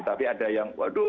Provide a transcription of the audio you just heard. tapi ada yang waduh